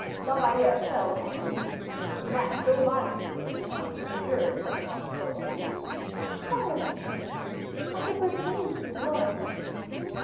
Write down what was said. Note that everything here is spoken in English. La Valliere fell upon her knees, and that so violently, that the sound could be heard upon the hard floor. "Sire," she said, "I prefer shame to disloyalty."